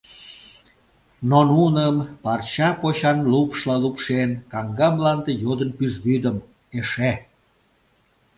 Но нуным парча почан лупшла лупшен, каҥга мланде йодын пӱжвӱдым: «Эше!»